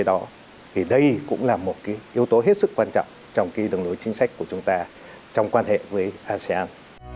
đây cũng là một yếu tố hết sức quan trọng trong đường lối chính sách của chúng ta trong quan hệ với asean